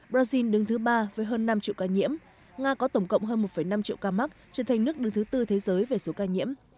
brazil đứng thứ ba với hơn năm triệu ca nhiễm nga có tổng cộng hơn một năm triệu ca mắc trở thành nước đứng thứ tư thế giới về số ca nhiễm